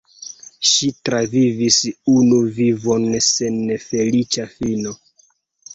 Ŝi travivis unu vivon sen feliĉa fino.